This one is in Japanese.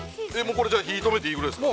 ◆これ火とめていいぐらいですか。